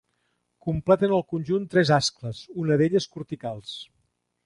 Completen el conjunt tres ascles, una d’elles corticals.